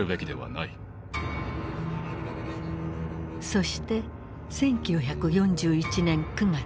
そして１９４１年９月。